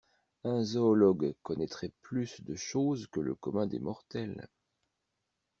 Un zoologue connaîtrait plus de choses que le commun des mortels.